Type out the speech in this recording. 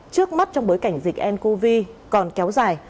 trước mắt trong bối cảnh dịch ncov còn kéo dài